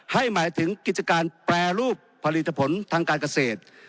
หมายถึงกิจการแปรรูปผลิตผลทางการเกษตร